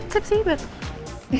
sedikit tipsy sedikit